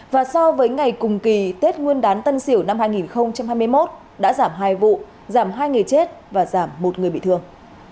và so với ngày cùng kỳ tết nguyên đán tân sỉu năm hai nghìn hai mươi một đã giảm hai vụ giảm hai người chết và giảm một người bị thương